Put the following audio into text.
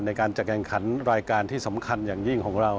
ในการจัดการขันรายการที่สำคัญอย่างยิ่งของเรา